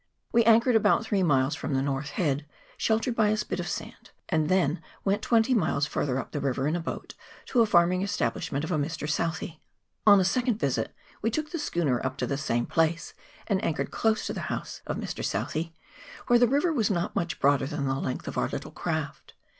We anchored about three miles from the north head, sheltered by a spit of sand, and then went twenty miles farther up the river in a boat, to a farming establishment of a Mr. Southee. On a second visit we took the schooner up to the same place, and anchored close to the house of Mr. CHAP. XIII.] RIVER SCENERY. 213 Southee, where the river was not much broader than the length of our little craft.